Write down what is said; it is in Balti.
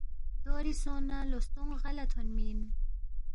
دوری سونگس نہ لو ستونگ غا لہ تھونمی اِن